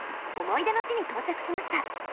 思い出の地に到着しました。